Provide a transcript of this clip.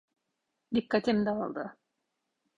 Dikkatim dağıldı.